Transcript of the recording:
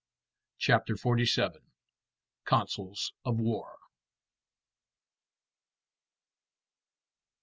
CHAPTER FORTY SEVEN. COUNCILS OF WAR.